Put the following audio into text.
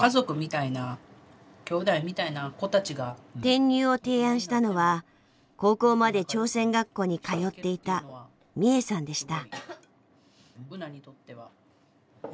転入を提案したのは高校まで朝鮮学校に通っていたミエさんでした。